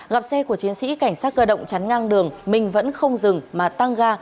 gặp xe của chiến sĩ cảnh sát cơ động chắn ngang đường minh vẫn không dừng mà tăng ga